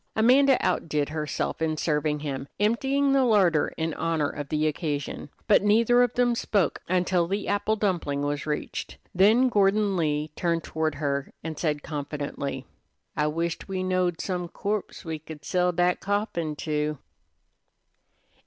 Amanda outdid herself in serving him, emptying the larder in honor of the occasion; but neither of them spoke until the apple dumpling was reached. Then Gordon Lee turned toward her and said confidentially: "I wished we knowed some corpse we could sell dat coffin to."